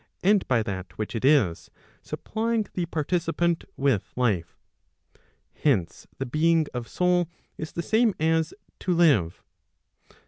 427 and by that which it is, supplying the participant with life. Hence the being of soul is the same as to live.